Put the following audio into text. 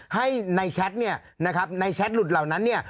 ให้ในแชทเนี่ยนะครับในแชทหลุดเหล่านั้นเนี่ย